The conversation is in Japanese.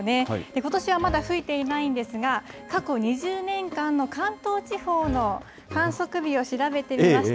ことしは、まだ吹いていないんですが、過去２０年間の関東地方の観測日を調べてみました。